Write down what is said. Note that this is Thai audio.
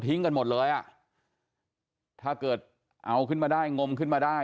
กันหมดเลยอ่ะถ้าเกิดเอาขึ้นมาได้งมขึ้นมาได้